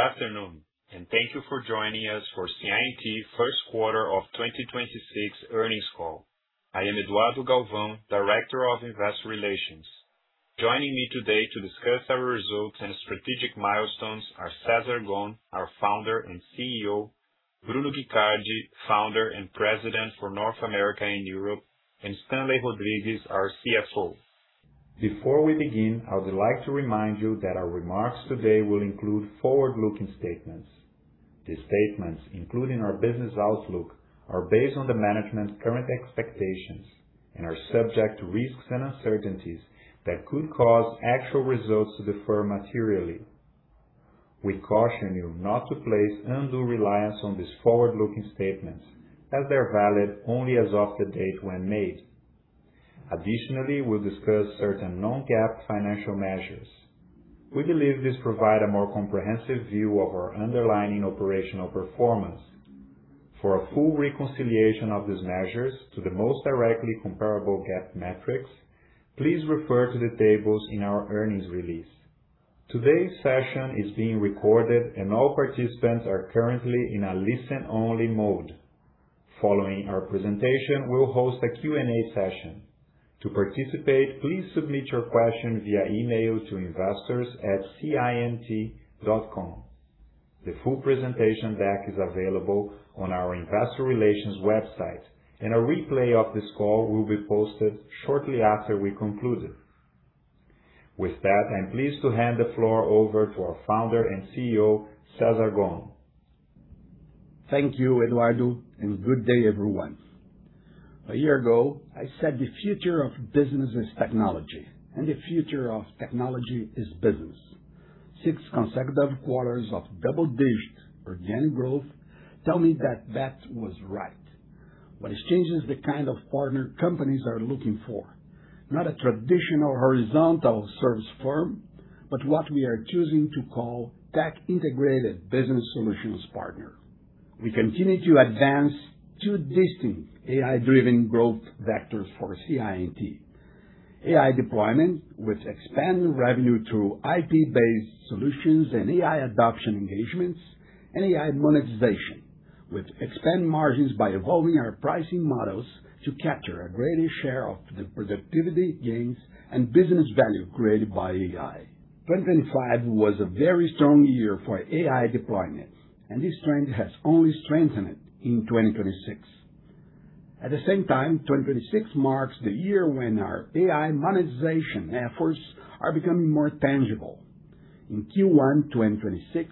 Good afternoon, and thank you for joining us for CI&T Q1 of 2026 earnings call. I am Eduardo Galvão, Director of Investor Relations. Joining me today to discuss our results and strategic milestones are Cesar Gon, our founder and CEO, Bruno Guicardi, founder and President for North America and Europe, and Stanley Rodrigues, our CFO. Before we begin, I would like to remind you that our remarks today will include forward-looking statements. These statements, including our business outlook, are based on the management's current expectations and are subject to risks and uncertainties that could cause actual results to differ materially. We caution you not to place undue reliance on these forward-looking statements as they're valid only as of the date when made. Additionally, we'll discuss certain non-GAAP financial measures. We believe these provide a more comprehensive view of our underlying operational performance. For a full reconciliation of these measures to the most directly comparable GAAP metrics, please refer to the tables in our earnings release. Today's session is being recorded, and all participants are currently in a listen-only mode. Following our presentation, we'll host a Q&A session. To participate, please submit your question via email to investors@ciandt.com. The full presentation deck is available on our investor relations website, and a replay of this call will be posted shortly after we conclude it. With that, I'm pleased to hand the floor over to our Founder and CEO, Cesar Gon. Thank you, Eduardo, and good day, everyone. A year ago, I said the future of business is technology, and the future of technology is business. Six consecutive quarters of double-digit organic growth tell me that that was right. What has changed is the kind of partner companies are looking for, not a traditional horizontal service firm, but what we are choosing to call tech-integrated business solutions partner. We continue to advance two distinct AI-driven growth vectors for CI&T. AI deployment, which expand revenue through IP-based solutions and AI adoption engagements, and AI monetization, which expand margins by evolving our pricing models to capture a greater share of the productivity gains and business value created by AI. 2025 was a very strong year for AI deployment, and this trend has only strengthened in 2026. At the same time, 2026 marks the year when our AI monetization efforts are becoming more tangible. In Q1 2026,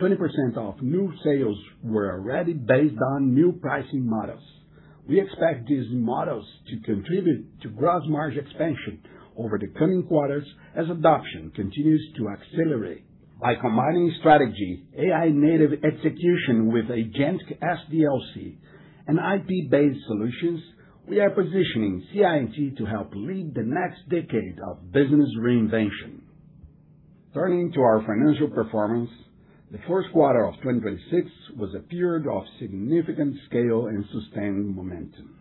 20% of new sales were already based on new pricing models. We expect these models to contribute to gross margin expansion over the coming quarters as adoption continues to accelerate. By combining strategy, AI-native execution with agentic SDLC and IP-based solutions, we are positioning CI&T to help lead the next decade of business reinvention. Turning to our financial performance, the Q1 of 2026 was a period of significant scale and sustained momentum.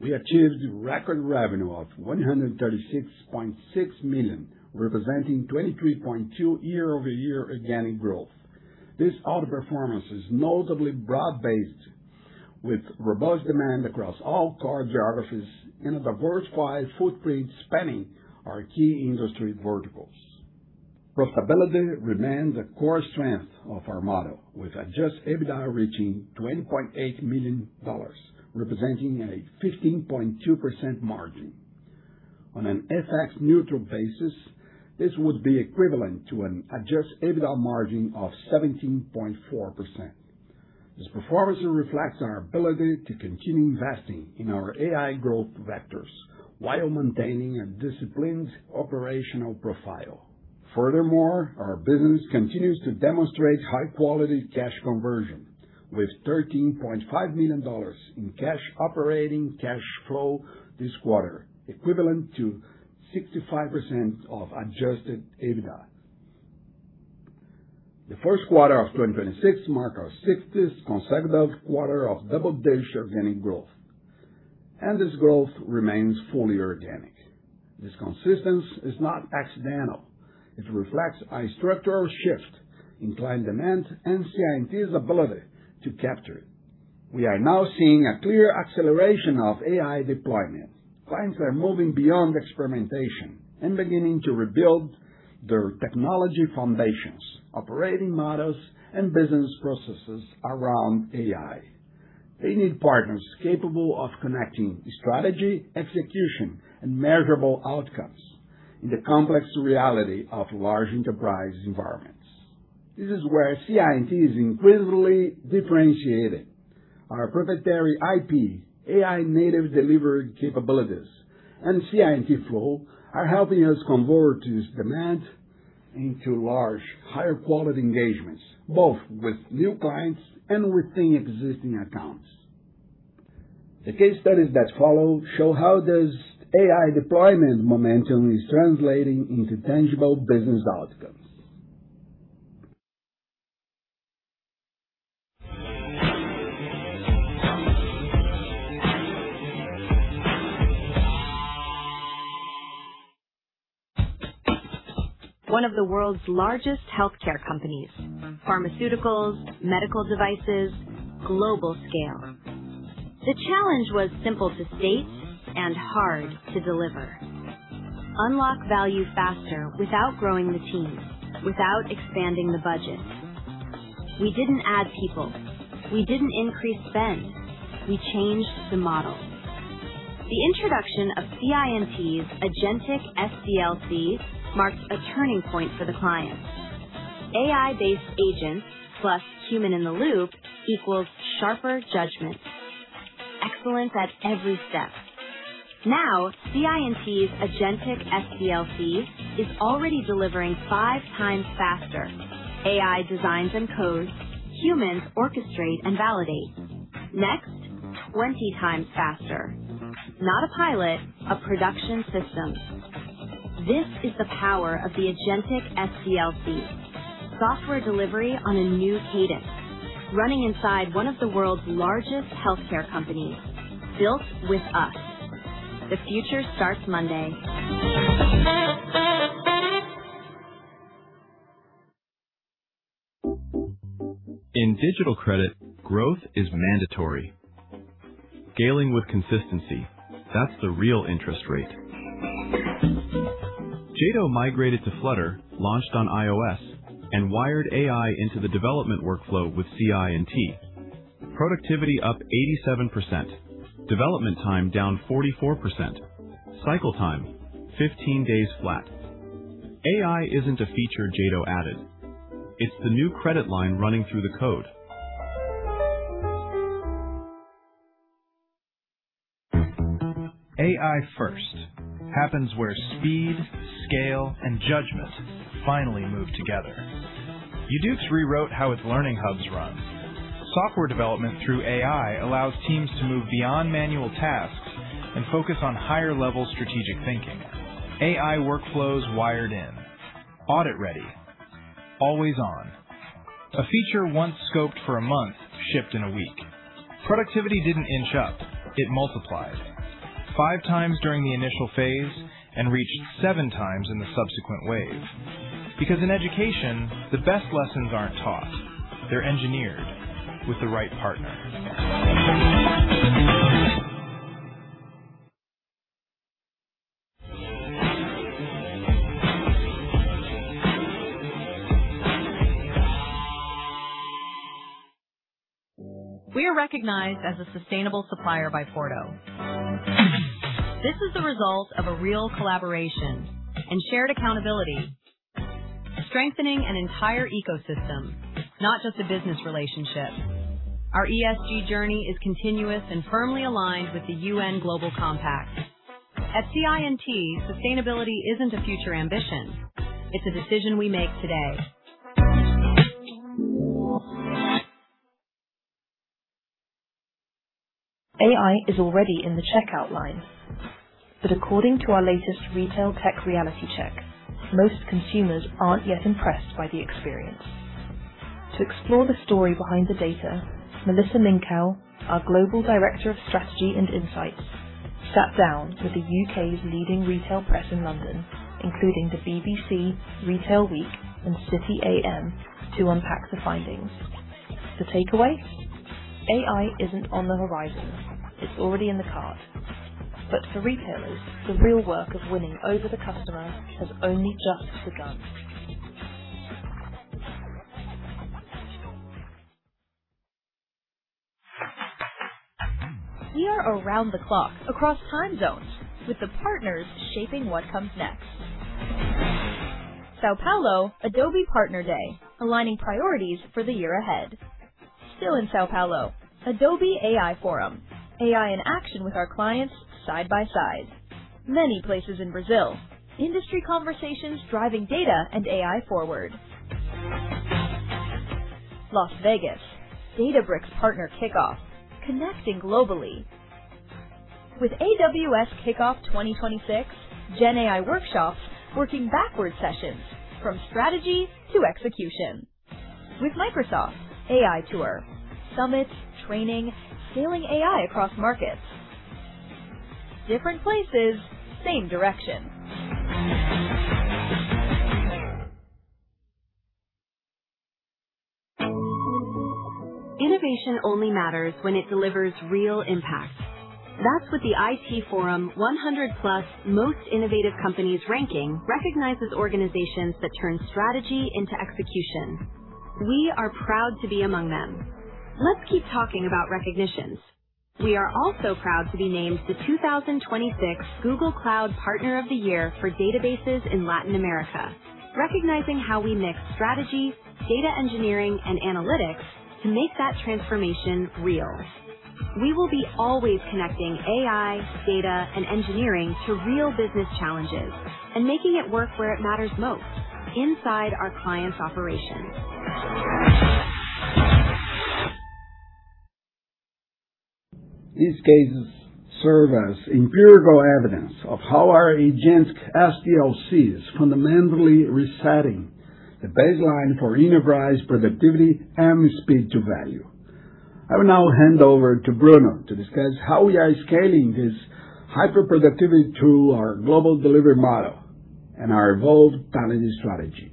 We achieved record revenue of 136.6 million, representing 23.2% year-over-year organic growth. This outperformance is notably broad-based, with robust demand across all core geographies and a diversified footprint spanning our key industry verticals. Profitability remains a core strength of our model, with adjusted EBITDA reaching BRL 20.8 million, representing a 15.2% margin. On an FX neutral basis, this would be equivalent to an adjusted EBITDA margin of 17.4%. This performance reflects our ability to continue investing in our AI growth vectors while maintaining a disciplined operational profile. Furthermore, our business continues to demonstrate high-quality cash conversion with BRL 13.5 million in cash operating cash flow this quarter, equivalent to 65% of adjusted EBITDA. The Q1 of 2026 marked our sixth consecutive quarter of double-digit organic growth, and this growth remains fully organic. This consistency is not accidental. It reflects a structural shift in client demand and CI&T's ability to capture it. We are now seeing a clear acceleration of AI deployment. Clients are moving beyond experimentation and beginning to rebuild their technology foundations, operating models, and business processes around AI. They need partners capable of connecting strategy, execution, and measurable outcomes in the complex reality of large enterprise environments. This is where CI&T is increasingly differentiated. Our proprietary IP, AI-native delivery capabilities, and CI&T FLOW are helping us convert this demand into large, higher-quality engagements, both with new clients and within existing accounts. The case studies that follow show how this AI deployment momentum is translating into tangible business outcomes. One of the world's largest healthcare companies. Pharmaceuticals, medical devices, global scale. The challenge was simple to state and hard to deliver. Unlock value faster without growing the teams, without expanding the budget. We didn't add people. We didn't increase spend. We changed the model. The introduction of CI&T's Agentic SDLC marked a turning point for the client. AI-based agents plus human in the loop equals sharper judgment. Excellence at every step. Now, CI&T's Agentic SDLC is already delivering 5x faster. AI designs and codes, humans orchestrate and validate. Next, 20x faster. Not a pilot, a production system. This is the power of the Agentic SDLC. Software delivery on a new cadence running inside one of the world's largest healthcare companies, built with us. The future starts Monday. In digital credit, growth is mandatory. Scaling with consistency, that's the real interest rate. Jado migrated to Flutter, launched on iOS, and wired AI into the development workflow with CI&T. Productivity up 87%. Development time down 44%. Cycle time, 15 days flat. AI isn't a feature Jado added. It's the new credit line running through the code. AI first happens where speed, scale, and judgment finally move together. YDUQS rewrote how its learning hubs run. Software development through AI allows teams to move beyond manual tasks and focus on higher-level strategic thinking. AI workflows wired in, audit ready, always on. A feature once scoped for a month shipped in a week. Productivity didn't inch up. It multiplied 5x during the initial phase and reached 7x in the subsequent wave. Because in education, the best lessons aren't taught. They're engineered with the right partner. We are recognized as a sustainable supplier by Porto. This is the result of a real collaboration and shared accountability, strengthening an entire ecosystem, not just a business relationship. Our ESG journey is continuous and firmly aligned with the UN Global Compact. At CI&T, sustainability isn't a future ambition. It's a decision we make today. AI is already in the checkout line. According to our latest retail tech reality check, most consumers aren't yet impressed by the experience. To explore the story behind the data, Melissa Minkow, our Global Director of Strategy and Insights, sat down with the U.K.'s leading retail press in London, including the BBC Retail Week and City A.M., to unpack the findings. The takeaway? AI isn't on the horizon. It's already in the cart. For retailers, the real work of winning over the customer has only just begun. We are around the clock across time zones with the partners shaping what comes next. São Paulo, Adobe Partner Day, aligning priorities for the year ahead. Still in São Paulo, Adobe AI Forum, AI in action with our clients side by side. Many places in Brazil, industry conversations driving data and AI forward. Las Vegas, Databricks Partner Kickoff, connecting globally. With AWS Kickoff 2026 GenAI workshops working backwards sessions from strategy to execution. With Microsoft AI Tour, summits, training, scaling AI across markets. Different places, same direction. Innovation only matters when it delivers real impact. That's what the IT Forum 100+ most innovative companies ranking recognizes organizations that turn strategy into execution. We are proud to be among them. Let's keep talking about recognitions. We are also proud to be named the 2026 Google Cloud Partner of the Year for databases in Latin America, recognizing how we mix strategy, data engineering, and analytics to make that transformation real. We will be always connecting AI, data, and engineering to real business challenges and making it work where it matters most, inside our clients' operations. These cases serve as empirical evidence of how our Agentic SDLC is fundamentally resetting the baseline for enterprise productivity and speed to value. I will now hand over to Bruno to discuss how we are scaling this Hyperproductivity through our global delivery model and our evolved talent strategy.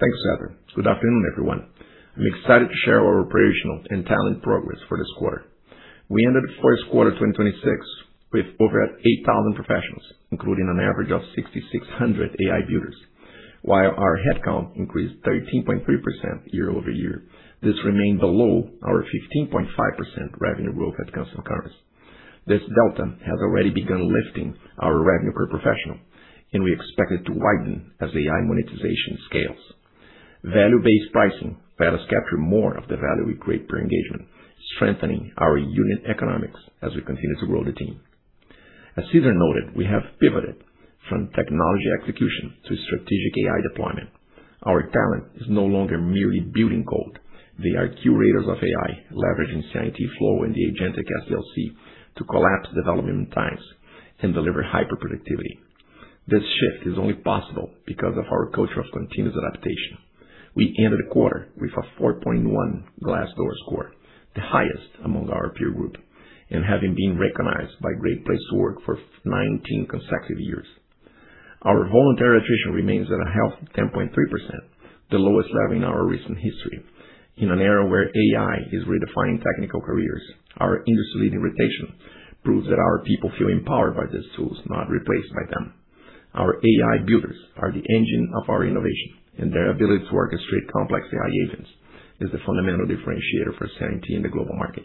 Thanks, Cesar. Good afternoon, everyone. I'm excited to share our operational and talent progress for this quarter. We ended the Q1 2026 with over 8,000 professionals, including an average of 6,600 AI builders. While our headcount increased 13.3% year-over-year, this remained below our 15.5% revenue growth at constant currency. This delta has already begun lifting our revenue per professional, and we expect it to widen as AI monetization scales. Value-based pricing let us capture more of the value we create per engagement, strengthening our unit economics as we continue to grow the team. As Cesar noted, we have pivoted from technology execution to strategic AI deployment. Our talent is no longer merely building code. They are curators of AI, leveraging CI&T FLOW and the agentic SDLC to collapse development times and deliver Hyperproductivity. This shift is only possible because of our culture of continuous adaptation. We ended the quarter with a 4.1 Glassdoor score, the highest among our peer group, and having been recognized by Great Place to Work for 19 consecutive years. Our voluntary attrition remains at a healthy 10.3%, the lowest level in our recent history. In an era where AI is redefining technical careers, our industry-leading rotation proves that our people feel empowered by these tools, not replaced by them. Our AI builders are the engine of our innovation, and their ability to orchestrate complex AI agents is the fundamental differentiator for CI&T in the global market.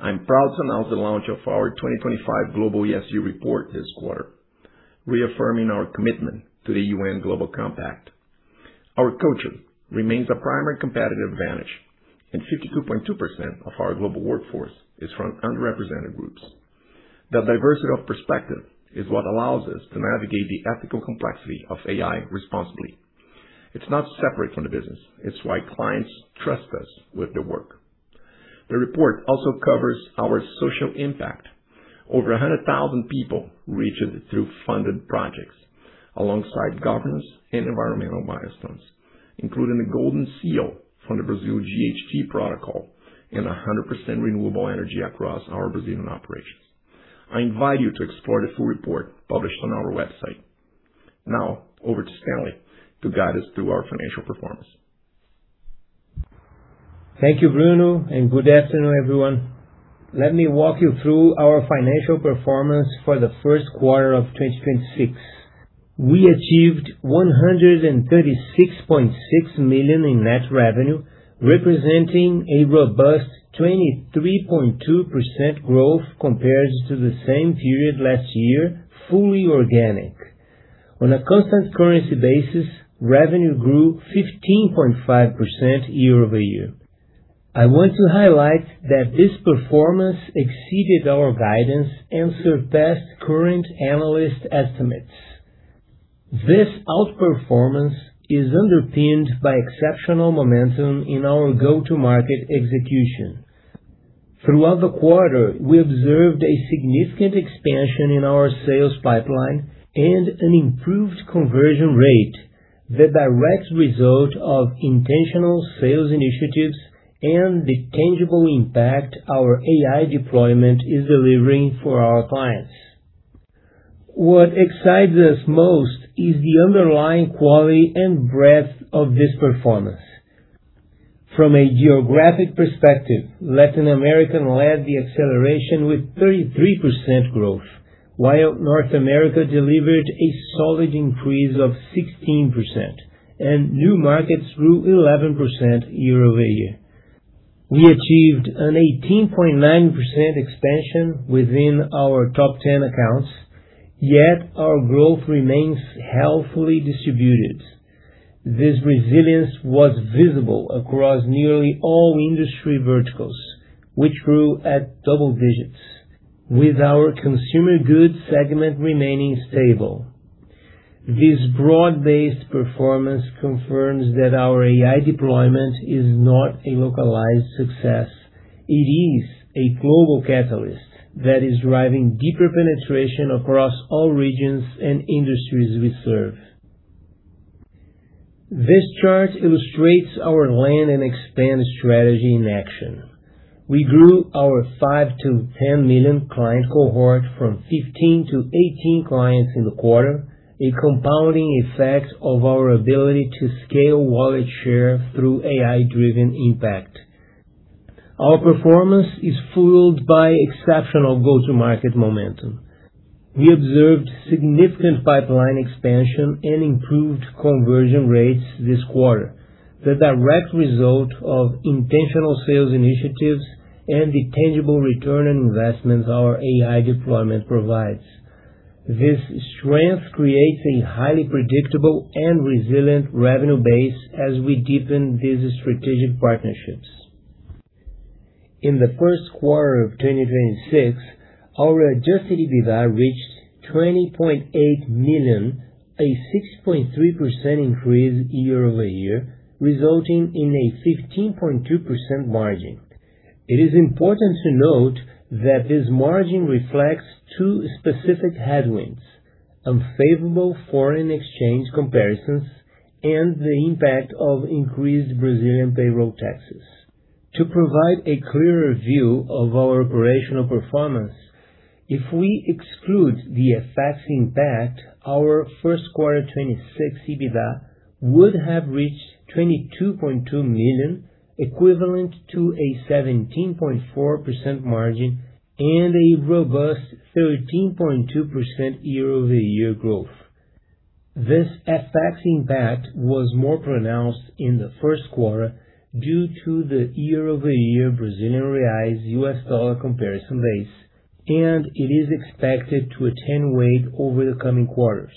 I'm proud to announce the launch of our 2025 global ESG report this quarter, reaffirming our commitment to the UN Global Compact. Our culture remains a primary competitive advantage, and 52.2% of our global workforce is from underrepresented groups. The diversity of perspective is what allows us to navigate the ethical complexity of AI responsibly. It's not separate from the business. It's why clients trust us with the work. The report also covers our social impact. Over 100,000 people reached through funded projects alongside governance and environmental milestones, including the Gold Seal from the Brazilian GHG Protocol and 100% renewable energy across our Brazilian operations. I invite you to explore the full report published on our website. Now over to Stanley to guide us through our financial performance. Thank you, Bruno, and good afternoon, everyone. Let me walk you through our financial performance for the Q1 of 2026. We achieved 136.6 million in net revenue, representing a robust 23.2% growth compared to the same period last year, fully organic. On a constant currency basis, revenue grew 15.5% year-over-year. I want to highlight that this performance exceeded our guidance and surpassed current analyst estimates. This outperformance is underpinned by exceptional momentum in our go-to-market execution. Throughout the quarter, we observed a significant expansion in our sales pipeline and an improved conversion rate, the direct result of intentional sales initiatives and the tangible impact our AI deployment is delivering for our clients. What excites us most is the underlying quality and breadth of this performance. From a geographic perspective, Latin American led the acceleration with 33% growth, while North America delivered a solid increase of 16%, and new markets grew 11% year-over-year. We achieved an 18.9% expansion within our top 10 accounts, yet our growth remains healthily distributed. This resilience was visible across nearly all industry verticals, which grew at double digits with our consumer goods segment remaining stable. This broad-based performance confirms that our AI deployment is not a localized success. It is a global catalyst that is driving deeper penetration across all regions and industries we serve. This chart illustrates our land and expand strategy in action. We grew our 5-10 million client cohort from 15-18 clients in the quarter, a compounding effect of our ability to scale wallet share through AI-driven impact. Our performance is fueled by exceptional go-to-market momentum. We observed significant pipeline expansion and improved conversion rates this quarter, the direct result of intentional sales initiatives and the tangible return on investments our AI deployment provides. This strength creates a highly predictable and resilient revenue base as we deepen these strategic partnerships. In the Q1 of 2026, our adjusted EBITDA reached 20.8 million, a 6.3% increase year-over-year, resulting in a 15.2% margin. It is important to note that this margin reflects two specific headwinds, unfavorable foreign exchange comparisons and the impact of increased Brazilian payroll taxes. To provide a clearer view of our operational performance, if we exclude the FX impact, our Q1 2026 EBITDA would have reached 22.2 million, equivalent to a 17.4% margin and a robust 13.2% year-over-year growth. This FX impact was more pronounced in the Q1 due to the year-over-year Brazilian reais-US dollar comparison base, and it is expected to attenuate over the coming quarters.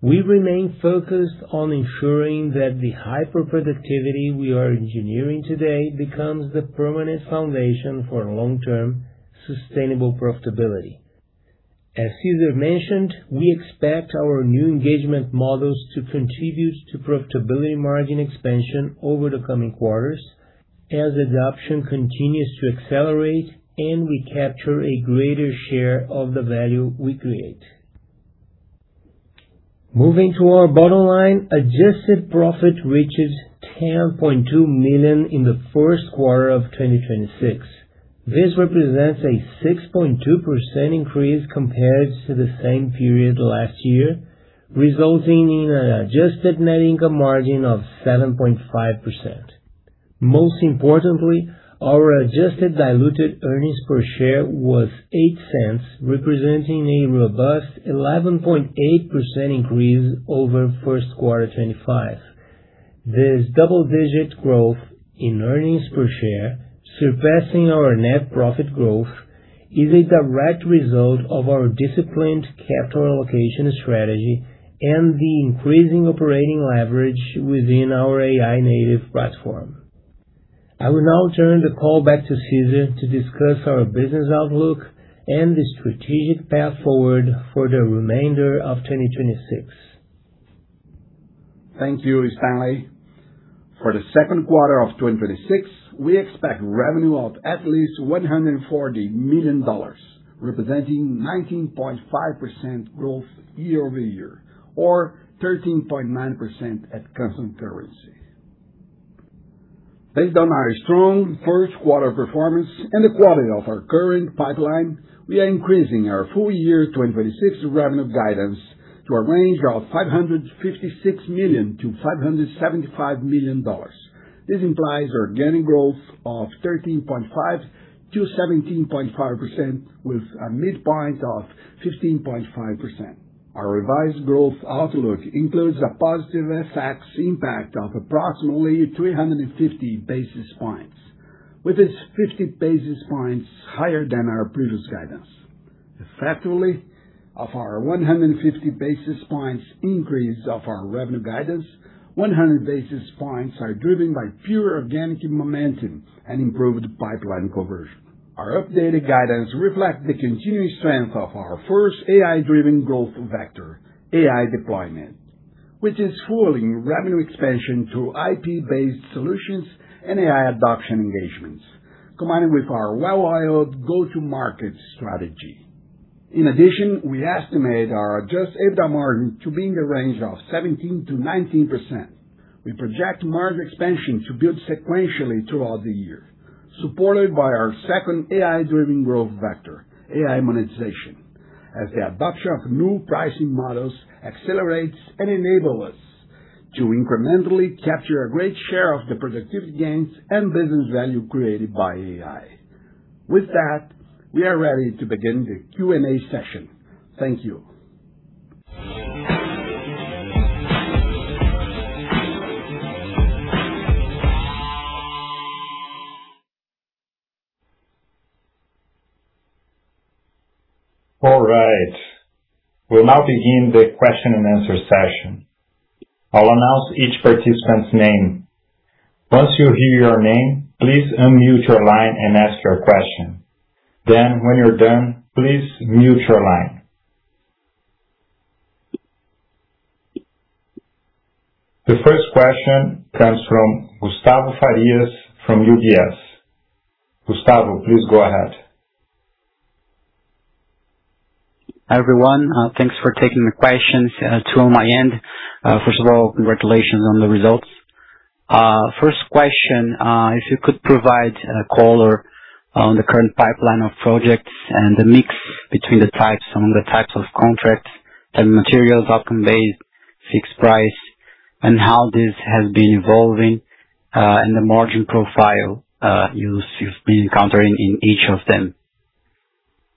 We remain focused on ensuring that the high productivity we are engineering today becomes the permanent foundation for long-term sustainable profitability. As Cesar mentioned, we expect our new engagement models to contribute to profitability margin expansion over the coming quarters as adoption continues to accelerate and we capture a greater share of the value we create. Moving to our bottom line, adjusted profit reaches 10.2 million in the Q1 of 2026. This represents a 6.2% increase compared to the same period last year, resulting in an adjusted net income margin of 7.5%. Most importantly, our adjusted diluted earnings per share was 0.08, representing a robust 11.8% increase over Q1 2025. This double-digit growth in earnings per share, surpassing our net profit growth, is a direct result of our disciplined capital allocation strategy and the increasing operating leverage within our AI native platform. I will now turn the call back to Cesar to discuss our business outlook and the strategic path forward for the remainder of 2026. Thank you, Stanley. For the Q2 of 2026, we expect revenue of at least $140 million, representing 19.5% growth year-over-year or 13.9% at constant currency. Based on our strong Q1 performance and the quality of our current pipeline, we are increasing our full year 2026 revenue guidance to a range of $556 million-$575 million. This implies organic growth of 13.5%-17.5% with a midpoint of 15.5%. Our revised growth outlook includes a positive FX impact of approximately 350 basis points, which is 50 basis points higher than our previous guidance. Effectively, of our 150 basis points increase of our revenue guidance, 100 basis points are driven by pure organic momentum and improved pipeline conversion. Our updated guidance reflects the continuing strength of our first AI-driven growth vector, AI deployment, which is fueling revenue expansion through IP-based solutions and AI adoption engagements, combined with our well-oiled go-to-market strategy. In addition, we estimate our adjusted EBITDA margin to be in the range of 17%-19%. We project margin expansion to build sequentially throughout the year, supported by our second AI-driven growth vector, AI monetization, as the adoption of new pricing models accelerates and enable us to incrementally capture a great share of the productivity gains and business value created by AI. With that, we are ready to begin the Q&A session. Thank you. All right. We'll now begin the question and answer session. I'll announce each participant's name. Once you hear your name, please unmute your line and ask your question. Then when you're done, please mute your line. The first question comes from Gustavo Farias from UBS. Gustavo, please go ahead. Hi, everyone. Thanks for taking the questions. Two on my end. First of all, congratulations on the results. First question, if you could provide a color on the current pipeline of projects and the mix between the types of contracts, the materials up conveyed, fixed price, and how this has been evolving, and the margin profile, you've been encountering in each of them.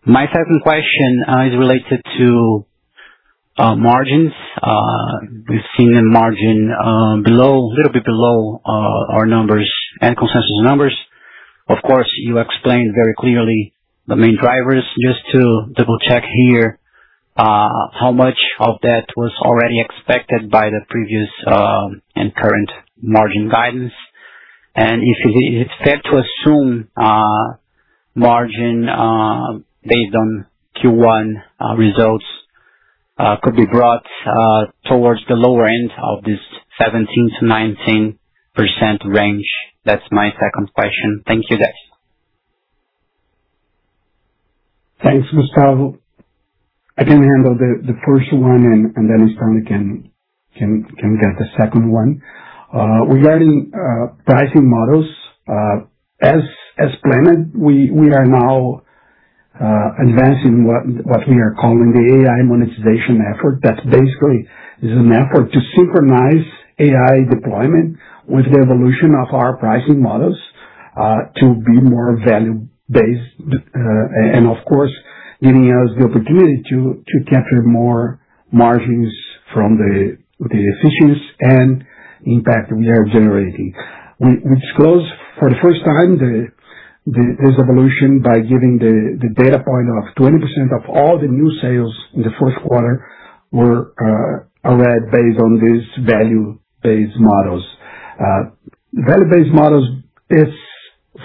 My second question, is related to margins. We've seen the margin, little bit below our numbers and consensus numbers. Of course, you explained very clearly the main drivers. Just to double-check here, how much of that was already expected by the previous, and current margin guidance? If it is fair to assume margin based on Q1 results could be brought towards the lower end of this 17%-19% range? That's my second question. Thank you, guys. Thanks, Gustavo. I can handle the first one and then Stanley can get the second one. Regarding pricing models, as planned, we are now advancing what we are calling the AI monetization effort. That basically is an effort to synchronize AI deployment with the evolution of our pricing models to be more value-based, and of course, giving us the opportunity to capture more margins from the efficiencies and impact we are generating. We disclosed for the first time this evolution by giving the data point of 20% of all the new sales in the Q1 were already based on these value-based models. Value-based models is,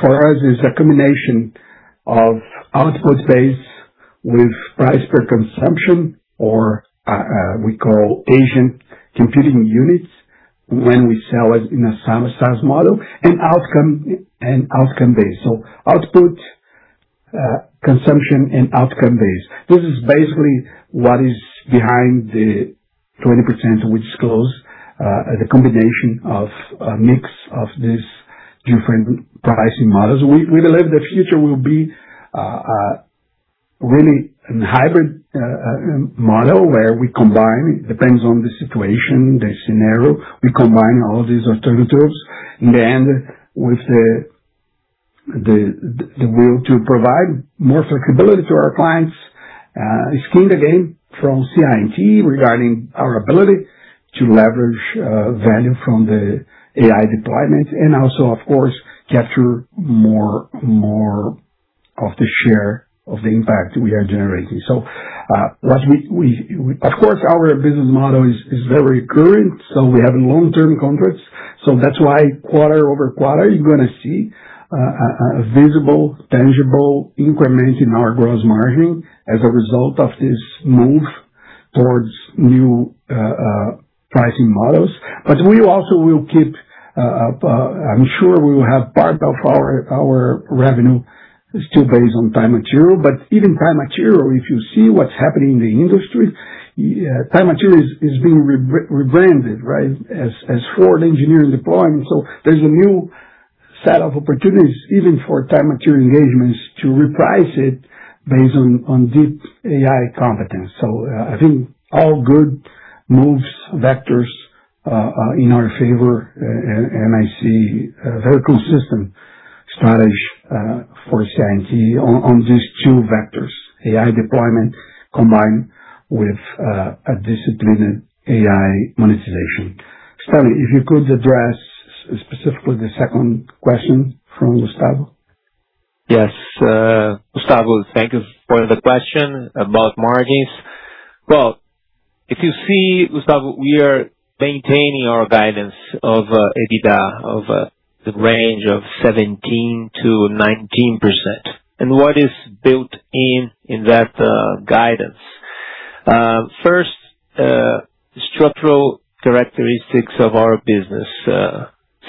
for us, is a combination of output space with price per consumption or we call agent computing units when we sell it in a standard size model and outcome, and outcome-based. Output, consumption, and outcome-based. This is basically what is behind the 20% we disclosed, the combination of a mix of these different pricing models. We believe the future will be really a hybrid model where we combine. Depends on the situation, the scenario, we combine all these alternatives. In the end, with the will to provide more flexibility to our clients, skin the game from CI&T regarding our ability to leverage value from the AI deployments and also, of course, capture more of the share of the impact we are generating. once we of course our business model is very recurring so we have long-term contracts. That's why quarter-over-quarter you're gonna see a visible tangible increment in our gross margin as a result of this move towards new pricing models. We also will keep I'm sure we will have part of our revenue still based on time and material. Even time and material if you see what's happening in the industry time and material is being rebranded right as forward engineering deployment. There's a new set of opportunities even for time and material engagements to reprice it based on deep AI competence. I think all good moves, vectors, in our favor, and I see a very consistent strategy for CI&T on these two vectors, AI deployment combined with a disciplined AI monetization. Stanley, if you could address specifically the second question from Gustavo. Yes, Gustavo, thank you for the question about margins. Well, if you see, Gustavo, we are maintaining our guidance of EBITDA of the range of 17%-19%. What is built in that guidance? First, structural characteristics of our business,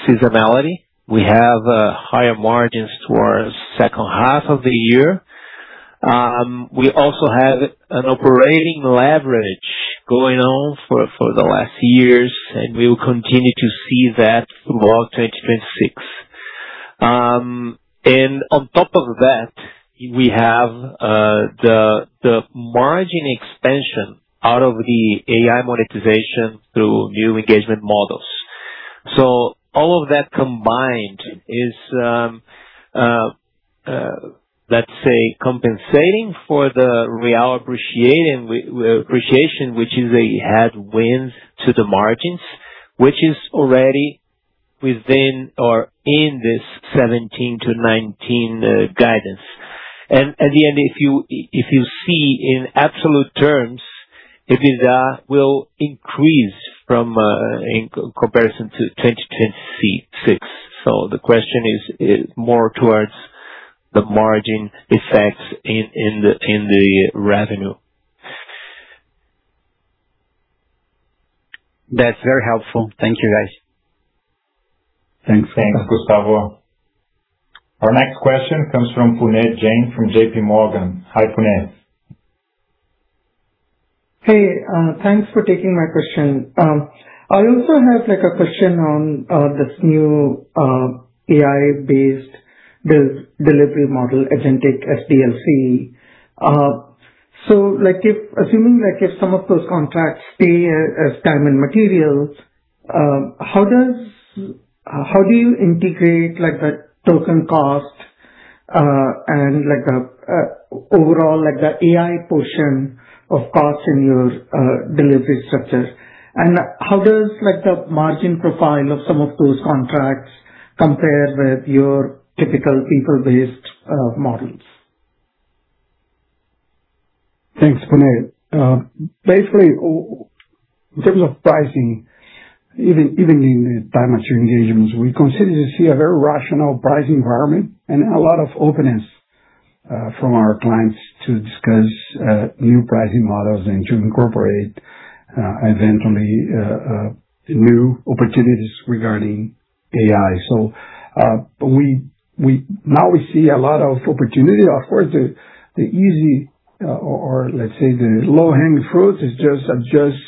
seasonality. We have higher margins towards second half of the year. We also have an operating leverage going on for the last years, and we will continue to see that throughout 2026. On top of that, we have the margin expansion out of the AI monetization through new engagement models. All of that combined is, let's say, compensating for the real appreciation, which is a headwind to the margins, which is already within or in this 17%-19% guidance. At the end, if you see in absolute terms, EBITDA will increase from in comparison to 2026. The question is more towards the margin effects in the revenue. That's very helpful. Thank you, guys. Thanks. Thanks, Gustavo. Our next question comes from Puneet Jain from JPMorgan. Hi, Puneet. Hey, thanks for taking my question. I also have like a question on this new AI-based delivery model agentic SDLC. Like if assuming like if some of those contracts stay as time and materials, how do you integrate like the token cost and like the overall like the AI portion of cost in your delivery structures? How does like the margin profile of some of those contracts compare with your typical people-based models? Thanks, Puneet. Basically, in terms of pricing, even in time and material engagements, we continue to see a very rational pricing environment and a lot of openness from our clients to discuss new pricing models and to incorporate eventually new opportunities regarding AI. We now see a lot of opportunity. Of course, the easy or let's say the low-hanging fruit is just adjust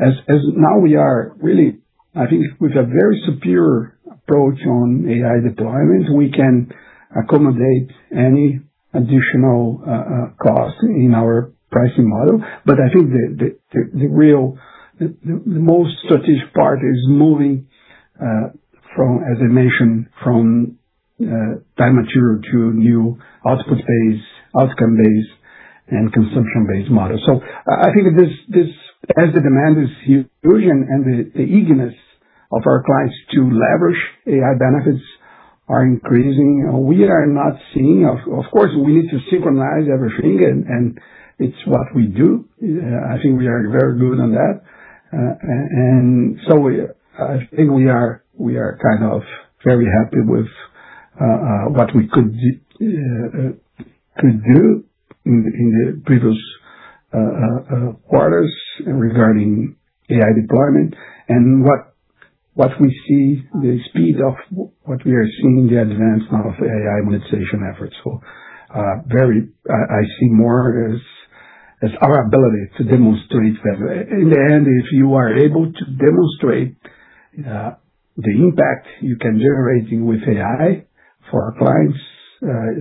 as now we are really, I think, with a very superior approach on AI deployments, we can accommodate any additional cost in our pricing model. I think the real most strategic part is moving from, as I mentioned, from time and material to new output-based, outcome-based and consumption-based models. I think this as the demand is huge and the eagerness of our clients to leverage AI benefits are increasing. We are not seeing. Of course we need to synchronize everything and it's what we do. I think we are very good on that. I think we are kind of very happy with what we could do in the previous quarters regarding AI deployment and what we see the speed of what we are seeing the advancement of AI monetization efforts. I see more as our ability to demonstrate that. In the end, if you are able to demonstrate, the impact you can generating with AI for our clients,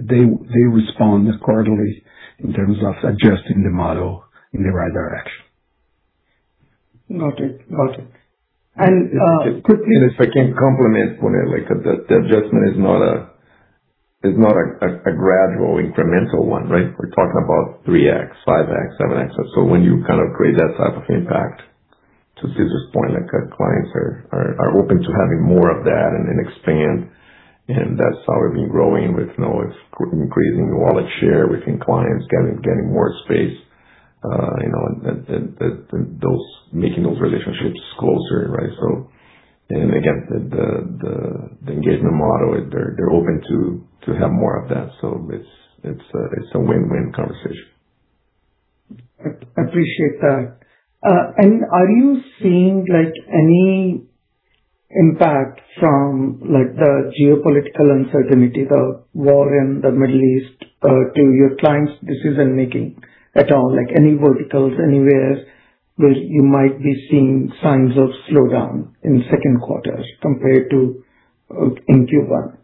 they respond accordingly in terms of adjusting the model in the right direction. Got it. Got it. Quickly If I can complement when I like the adjustment is not a gradual incremental one, right? We're talking about 3x, 5x, 7x. When you kind of create that type of impact, to Cesar's point, like our clients are open to having more of that and expand, and that's how we've been growing with increasing wallet share within clients, getting more space, you know, and making those relationships closer, right? Again, the engagement model, they're open to have more of that. It's a win-win conversation. Appreciate that. Are you seeing like any impact from like the geopolitical uncertainty, the war in the Middle East, to your clients' decision-making at all? Like, any verticals, anywhere where you might be seeing signs of slowdown in Q2 compared to, in Q1?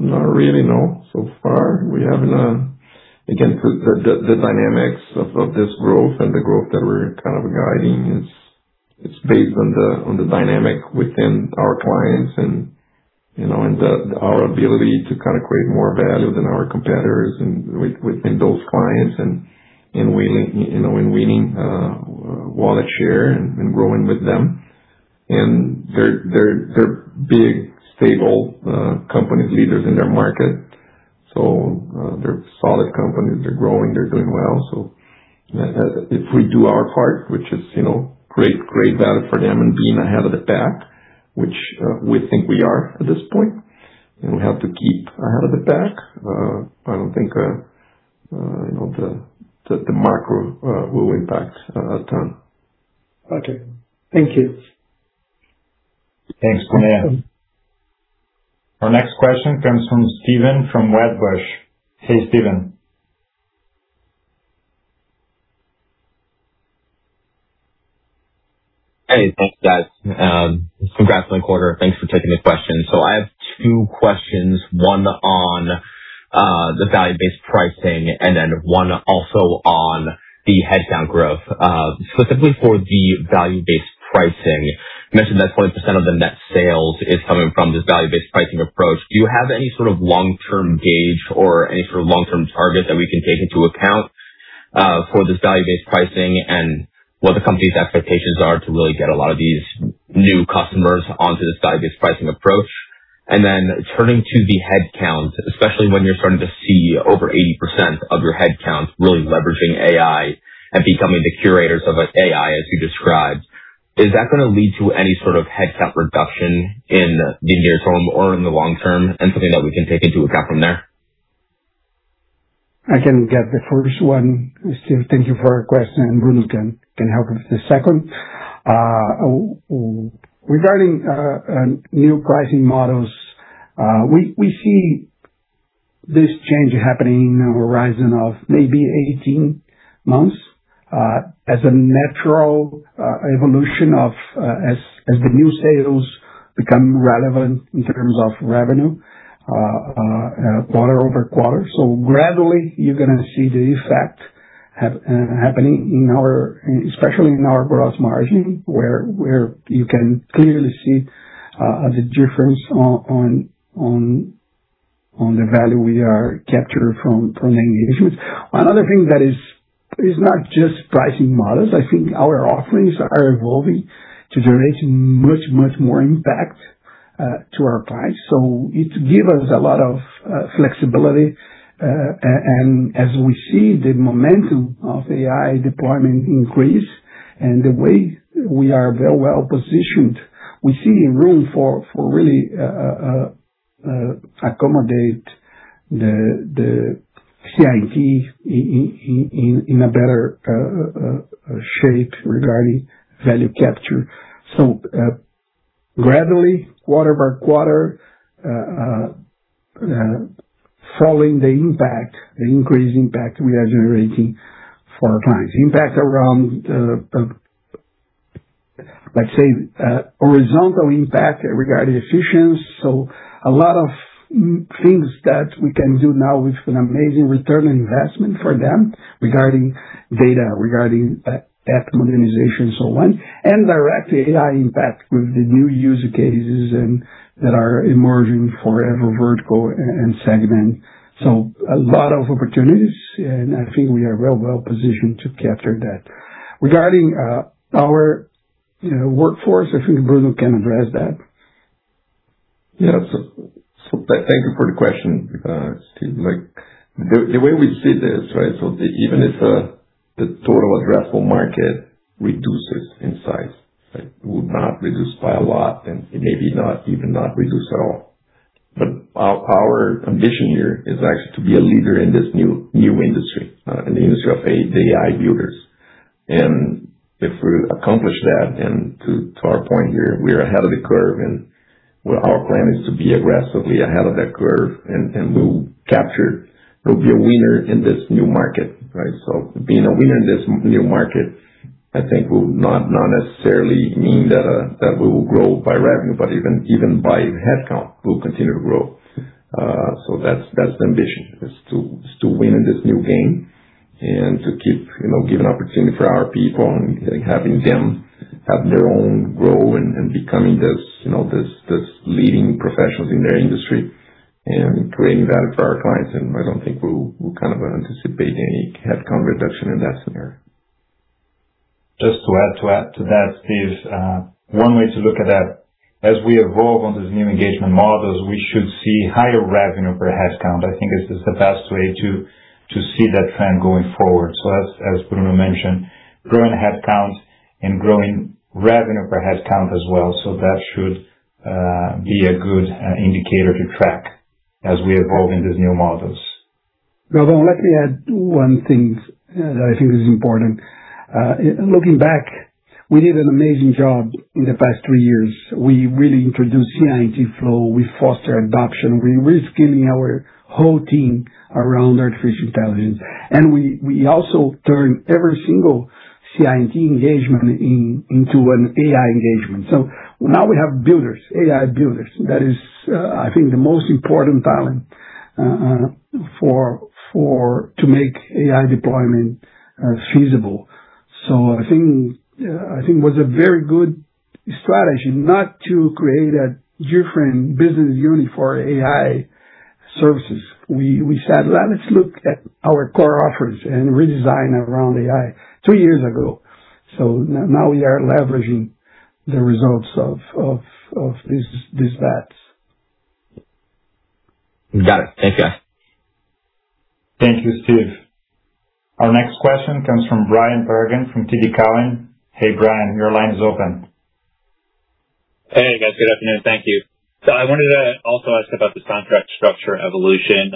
Not really, no. So far, we haven't. Again, the dynamics of this growth and the growth that we're kind of guiding is, it's based on the dynamic within our clients and, you know, and our ability to kind of create more value than our competitors and within those clients and winning, you know, and winning wallet share and growing with them. They're big, stable companies, leaders in their market. They're solid companies. They're growing, they're doing well. if we do our part, which is, you know, create great value for them and being ahead of the pack, which, we think we are at this point, and we have to keep ahead of the pack, I don't think, you know, the macro, will impact, turn. Okay. Thank you. Thanks. Next one. Our next question comes from Steven from Wedbush. Hey, Steven. Hey, thanks, guys. Congrats on the quarter. Thanks for taking the question. I have two questions, one on the value-based pricing and then one also on the headcount growth. Specifically for the value-based pricing, you mentioned that 20% of the net sales is coming from this value-based pricing approach. Do you have any sort of long-term gauge or any sort of long-term target that we can take into account for this value-based pricing and what the company's expectations are to really get a lot of these new customers onto this value-based pricing approach? Turning to the headcount, especially when you're starting to see over 80% of your headcount really leveraging AI and becoming the curators of AI, as you described, is that gonna lead to any sort of headcount reduction in the near term or in the long term and something that we can take into account from there? I can get the first one, Steven. Thank you for your question. Bruno can help with the second. Regarding new pricing models, we see this change happening in a horizon of maybe 18 months as a natural evolution of as the new sales become relevant in terms of revenue quarter-over-quarter. Gradually, you're gonna see the effect happening in our especially in our gross margin where you can clearly see the difference on the value we are capture from AI initiatives. Another thing that is not just pricing models. I think our offerings are evolving to generate much more impact to our clients. It give us a lot of flexibility. As we see the momentum of AI deployment increase, the way we are very well-positioned, we see room for really accommodate the CI&T in a better shape regarding value capture. Gradually quarter-over-quarter following the impact, the increased impact we are generating for our clients. Impact around let's say horizontal impact regarding efficiency. A lot of things that we can do now with an amazing return on investment for them regarding data, regarding app modernization and so on, and direct AI impact with the new use cases and that are emerging for every vertical and segment. A lot of opportunities, and I think we are very well-positioned to capture that. Regarding our, you know, workforce, I think Bruno can address that. Thank you for the question, Steven. Like, the way we see this, right, even if the total addressable market reduces in size, right? It would not reduce by a lot and maybe not even not reduce at all. Our ambition here is actually to be a leader in this new industry, in the industry of AI builders. If we accomplish that, and to our point here, we are ahead of the curve, and our plan is to be aggressively ahead of that curve and we'll capture. We'll be a winner in this new market, right? Being a winner in this new market, I think will not necessarily mean that we will grow by revenue, but even by headcount we'll continue to grow. that's the ambition, is to win in this new game and to keep, you know, give an opportunity for our people and, like, having them have their own growth and becoming this, you know, leading professionals in their industry and creating value for our clients. I don't think we'll kind of anticipate any headcount reduction in that scenario. Just to add to that, Steven, one way to look at that, as we evolve on these new engagement models, we should see higher revenue per headcount. I think this is the best way to see that trend going forward. As Bruno mentioned, growing headcount and growing revenue per headcount as well. That should be a good indicator to track as we evolve in these new models. Well, let me add one thing that I think is important. Looking back, we did an amazing job in the past three years. We really introduced CI&T FLOW, we foster adoption, we're reskilling our whole team around artificial intelligence. We also turn every single CI&T engagement into an AI engagement. Now we have builders, AI builders. That is I think the most important talent for to make AI deployment feasible. I think it was a very good strategy not to create a different business unit for AI services. We said, "Let's look at our core offerings and redesign around AI," two years ago. Now we are leveraging the results of this bets. Got it. Thank you. Thank you, Steven. Our next question comes from Bryan Bergin from TD Cowen. Hey, Bryan, your line is open. Hey, guys. Good afternoon. Thank you. I wanted to also ask about this contract structure evolution.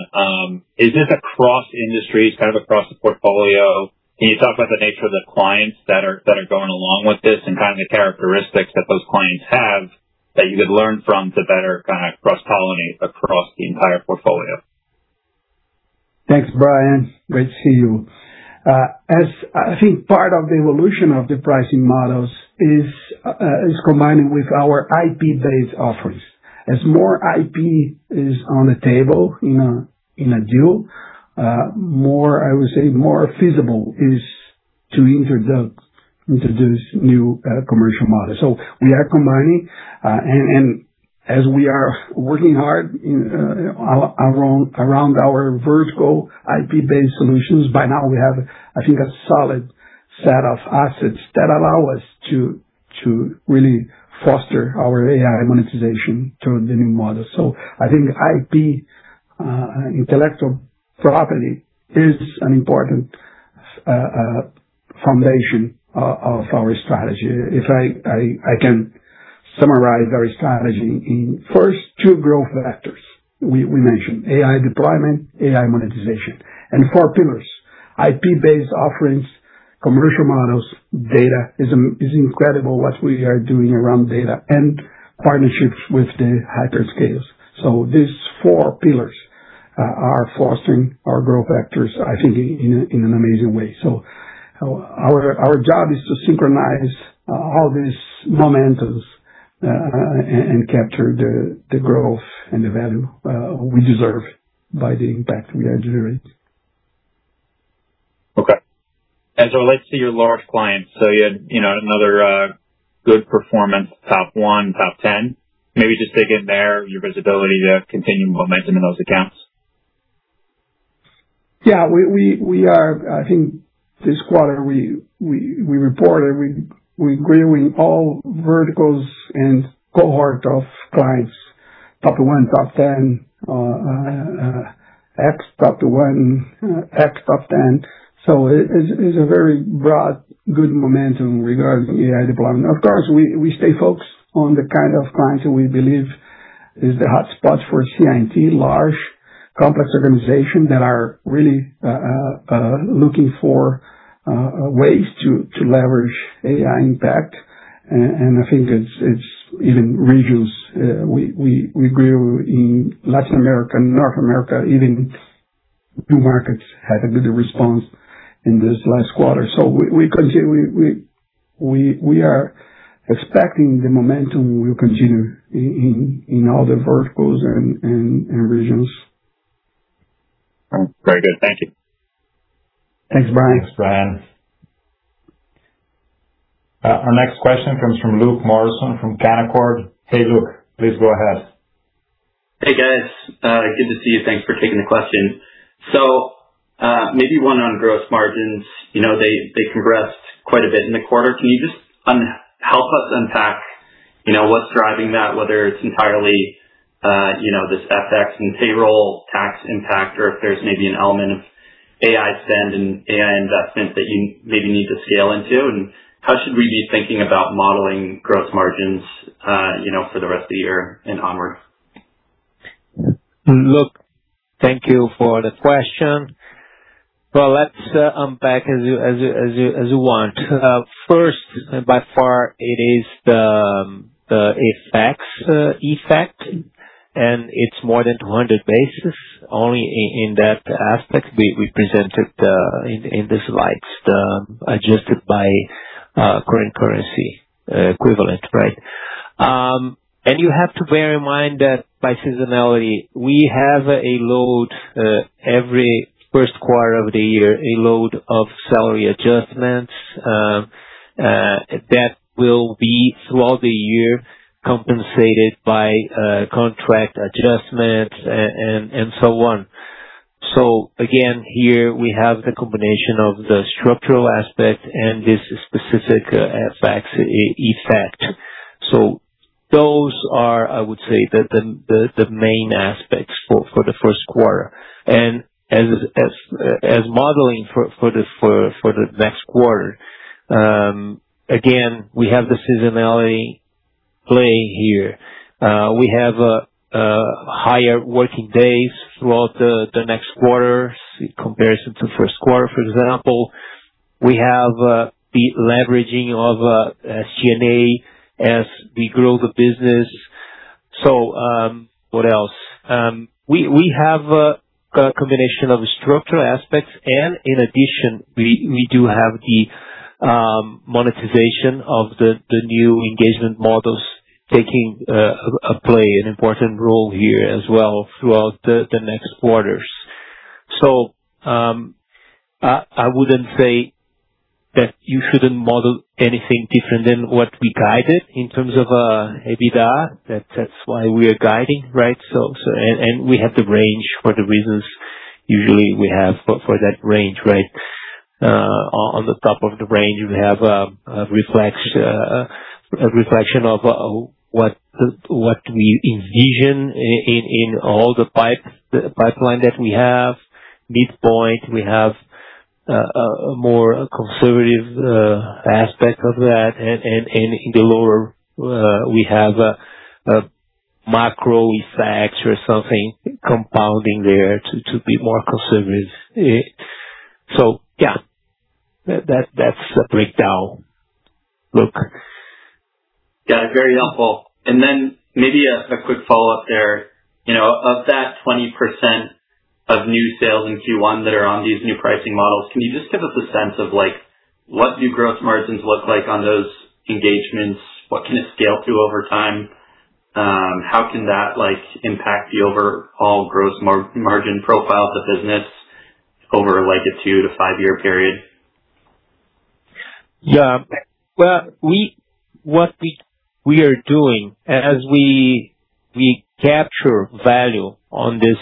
Is this across industries, kind of across the portfolio? Can you talk about the nature of the clients that are going along with this and kind of the characteristics that those clients have that you could learn from to better kinda cross-pollinate across the entire portfolio? Thanks, Bryan. Great to see you. As I think part of the evolution of the pricing models is combining with our IP-based offerings. As more IP is on the table in a deal, more I would say more feasible is to introduce new commercial models. We are combining and as we are working hard around our vertical IP-based solutions, by now we have I think a solid set of assets that allow us to really foster our AI monetization through the new model. I think IP, intellectual property is an important foundation of our strategy. If I can summarize our strategy in first two growth vectors. We mentioned AI deployment, AI monetization. four pillars, IP-based offerings, commercial models, data is incredible what we are doing around data, and partnerships with the hyperscalers. These four pillars are fostering our growth vectors, I think in an amazing way. Our job is to synchronize all these momentums, and capture the growth and the value, we deserve by the impact we are generating. Okay. As it relates to your large clients, so you had, you know, another good performance, top one, top 10. Maybe just dig in there, your visibility to continuing momentum in those accounts. Yeah. We are I think this quarter we reported we grew in all verticals and cohort of clients. Top one, top ten, X top one, X top ten. It is a very broad good momentum regarding AI deployment. Of course, we stay focused on the kind of clients who we believe is the hotspot for CI&T. Large complex organizations that are really looking for ways to leverage AI impact. I think it's even regions, we grew in Latin America and North America even new markets had a good response in this last quarter. We continue. We are expecting the momentum will continue in all the verticals and regions. Very good. Thank you. Thanks, Bryan. Thanks, Bryan. Our next question comes from Luke Hannan from Canaccord. Hey, Luke, please go ahead. Hey, guys. Good to see you. Thanks for taking the question. Maybe one on gross margins. You know, they progressed quite a bit in the quarter. Can you just help us unpack, you know, what's driving that, whether it's entirely, you know, this FX and payroll tax impact or if there's maybe an element of AI spend and AI investment that you maybe need to scale into. How should we be thinking about modeling gross margins, you know, for the rest of the year and onward? Luke, thank you for the question. Well, let's unpack as you want. First, by far it is the effect, and it's more than 200 basis only in that aspect we presented in the slides the adjusted by current currency equivalent, right? You have to bear in mind that by seasonality, we have a load every Q1 of the year, a load of salary adjustments that will be throughout the year compensated by contract adjustments and so on. Again, here we have the combination of the structural aspect and this specific effect. Those are, I would say, the main aspects for the Q1. As modeling for the next quarter, again, we have the seasonality playing here. We have higher working days throughout the next quarter in comparison to Q1, for example. We have the leveraging of G&A as we grow the business. What else? We have a combination of structural aspects and in addition, we do have the monetization of the new engagement models taking a play, an important role here as well throughout the next quarters. I wouldn't say that you shouldn't model anything different than what we guided in terms of EBITDA. That's why we are guiding, right? We have the range for the reasons usually we have for that range, right? On the top of the range, we have a reflection of what we envision in all the pipeline that we have. Midpoint, we have a more conservative aspect of that. In the lower, we have a macro effect or something compounding there to be more conservative. Yeah, that's the breakdown, Luke. Yeah, very helpful. Maybe a quick follow-up there. You know, of that 20% of new sales in Q1 that are on these new pricing models, can you just give us a sense of, like, what do gross margins look like on those engagements? What can it scale to over time? How can that, like, impact the overall gross margin profile of the business over, like, a two to five year period? Yeah. Well, we are doing as we capture value on this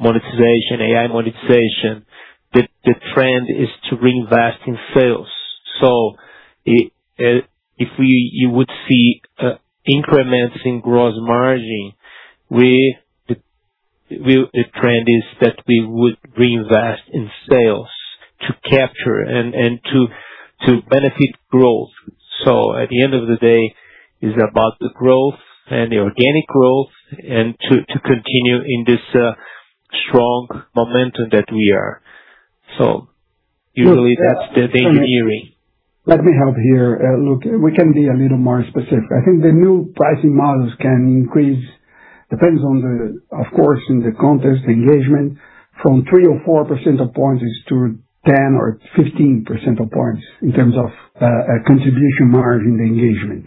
monetization, AI monetization, the trend is to reinvest in sales. If we would see increments in gross margin, a trend is that we would reinvest in sales to capture and to benefit growth. At the end of the day, it's about the growth and the organic growth and to continue in this strong momentum that we are. Usually that's the thinking. Let me help here. Luke, we can be a little more specific. I think the new pricing models can increase. Depends on the, of course, in the context, engagement. From three or four% of points is to 10 or 15% of points in terms of contribution margin engagement.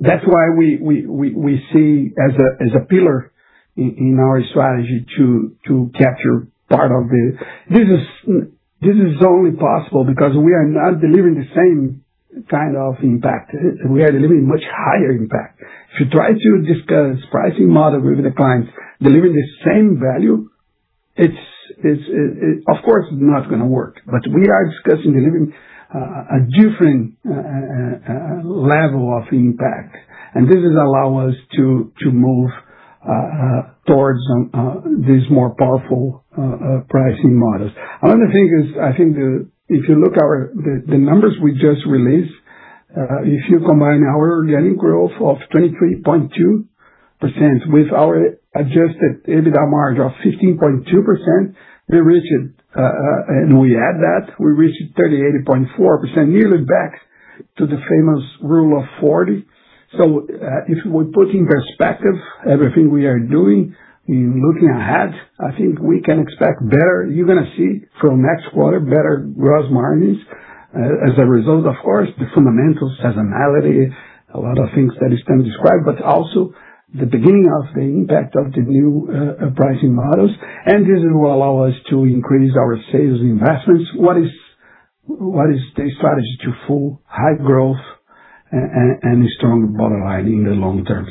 That's why we see as a pillar in our strategy to capture part of the. This is, this is only possible because we are not delivering the same kind of impact. We are delivering much higher impact. If you try to discuss pricing model with the clients, delivering the same value. It's of course not gonna work, but we are discussing delivering a different level of impact, and this is allow us to move towards some these more powerful pricing models. Another thing is I think if you look at our the numbers we just released if you combine our organic growth of 23.2% with our adjusted EBITDA margin of 15.2% we reached and we add that we reached 38.4% nearly back to the famous Rule of 40. If we put in perspective everything we are doing in looking ahead I think we can expect better. You're gonna see from next quarter better gross margins, as a result, of course, the fundamental seasonality, a lot of things that Stanley described, but also the beginning of the impact of the new pricing models. This will allow us to increase our sales investments. What is the strategy to fuel high growth and strong bottom line in the long term?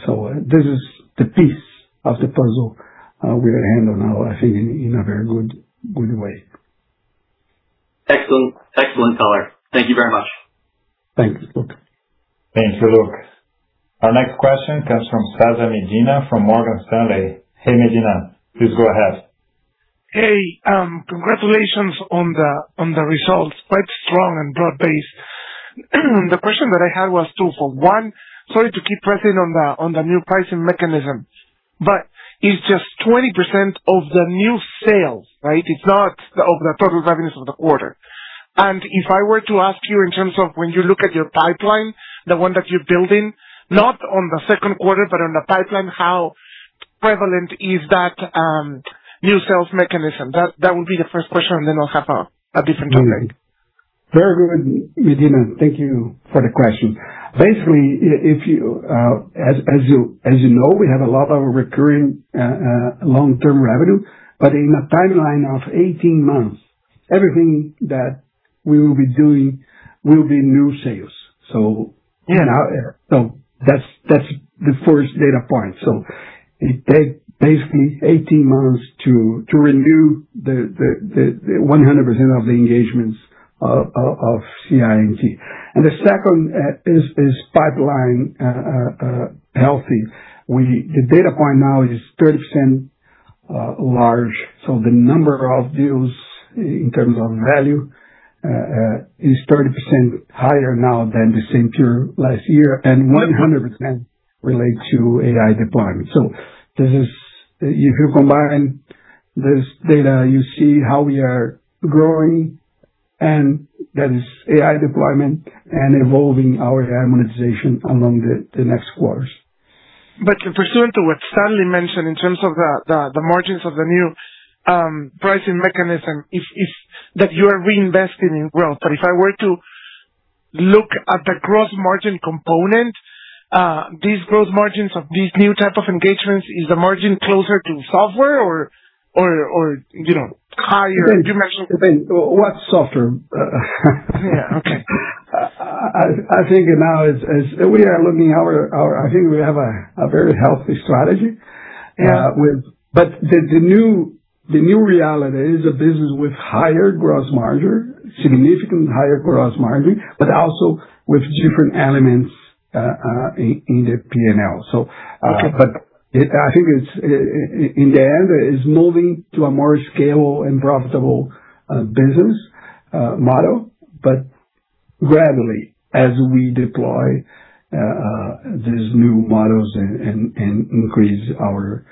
This is the piece of the puzzle, we are handling now, I think, in a very good way. Excellent. Excellent color. Thank you very much. Thanks, Luke. Thanks, Luke. Our next question comes from Cesar Medina from Morgan Stanley. Hey, Medina, please go ahead. Hey, congratulations on the results, quite strong and broad-based. The question that I had was twofold. One, sorry to keep pressing on the new pricing mechanism, but it's just 20% of the new sales, right? It's not of the total revenues of the quarter. If I were to ask you in terms of when you look at your pipeline, the one that you're building, not on the Q2, but on the pipeline, how prevalent is that new sales mechanism? That would be the first question, and then I'll have a different topic. Okay. Very good, Medina. Thank you for the question. Basically, if you, as you know, we have a lot of recurring, long-term revenue, but in a timeline of 18 months, everything that we will be doing will be new sales. Yeah. That's the first data point. It take basically 18 months to renew the 100% of the engagements of CI&T. The second is this pipeline healthy. The data point now is 30% large, so the number of deals in terms of value is 30% higher now than the same period last year, and 100% relate to AI deployment. If you combine this data, you see how we are growing, and that is AI deployment and evolving our AI monetization along the next quarters. Pursuant to what Stanley mentioned in terms of the margins of the new pricing mechanism is that you are reinvesting in growth. If I were to look at the gross margin component, these gross margins of these new type of engagements, is the margin closer to software or, you know, higher? You mentioned Depend what software. Yeah. Okay. I think now is we are looking our, I think we have a very healthy strategy Yeah. The new reality is a business with higher gross margin, significantly higher gross margin, but also with different elements in the P&L. Okay. I think it's in the end, it's moving to a more scalable and profitable business model, but gradually as we deploy these new models and increase our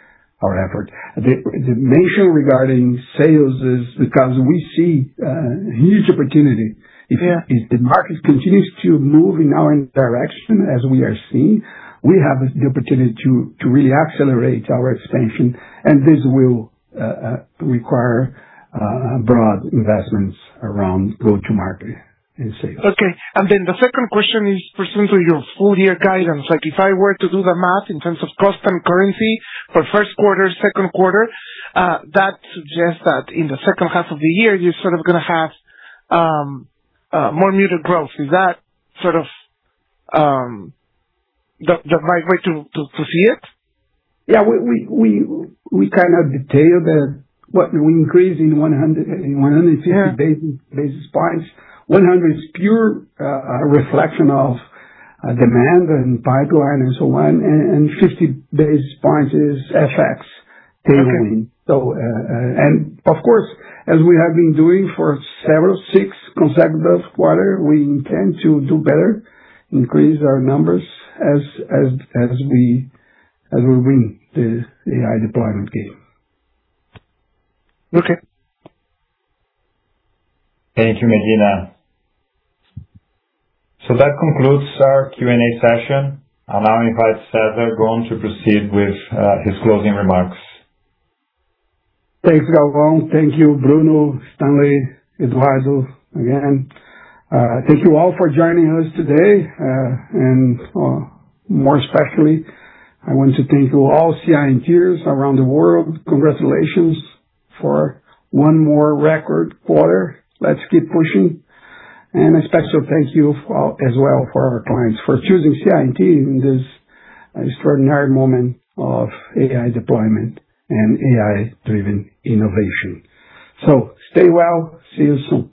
effort. The mention regarding sales is because we see a huge opportunity. Yeah. If the market continues to move in our direction as we are seeing, we have the opportunity to really accelerate our expansion and this will require broad investments around go-to-market and sales. Okay. Then the second question is pursuant to your full-year guidance. Like, if I were to do the math in terms of cost and currency for Q1, Q2, that suggests that in the second half of the year, you're sort of gonna have more muted growth. Is that sort of the right way to see it? Yeah. We kind of detailed that what we increase in 150 basis points. 100 is pure reflection of demand and pipeline and so on. 50 basis points is FX tailwind. Okay. Of course, as we have been doing for several six consecutive quarters, we intend to do better, increase our numbers as we win the AI deployment game. Okay. Thank you, Medina. That concludes our Q&A session. I'll now invite Cesar Gon to proceed with his closing remarks. Thanks, Eduardo Galvão. Thank you, Bruno, Stanley, Eduardo. Again, thank you all for joining us today. More especially, I want to thank you all CI&Ters around the world. Congratulations for one more record quarter. Let's keep pushing. A special thank you as well for our clients for choosing CI&T in this extraordinary moment of AI deployment and AI-driven innovation. Stay well. See you soon.